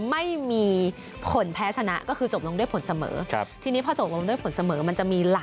ไม่มีผลแพ้ชนะ